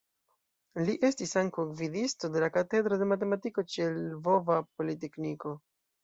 Li estis ankaŭ gvidisto de la Katedro de Matematiko ĉe Lvova Politekniko.